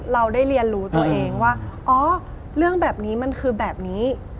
เราได้เรียนรู้ตัวเองว่าอ๋อเรื่องแบบนี้มันคือแบบนี้